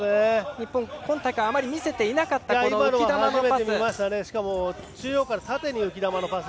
日本、今大会あまり見せていなかった浮き球のパス。